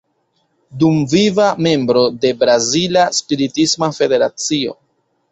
Dumviva membro de Brazila Spiritisma Federacio.